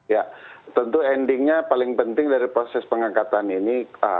ya tentu endingnya paling penting dari proses pengangkatan ini